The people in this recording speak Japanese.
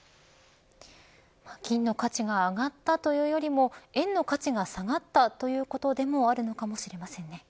金の価値が上がったというよりも円の価値が下がったということでもあるのかもしれませんね。